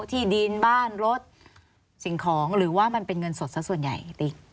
ที่ดินบ้านรถสิ่งของหรือว่ามันเป็นเงินสดสักส่วนใหญ่ติ๊ก